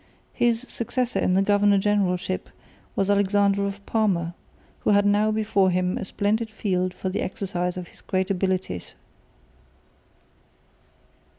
His successor in the governor generalship was Alexander of Parma, who had now before him a splendid field for the exercise of his great abilities.